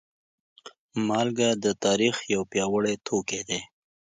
مالګه د تاریخ یو پیاوړی توکی دی.